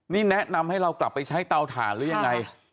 นี่แนะนำให้เรากลับไปใช้เตาถ่านหรือยังไง